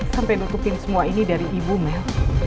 sampai nutupin semua ini dari ibu mel